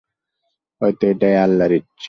হয়ত এটাই আল্লাহর ইচ্ছা।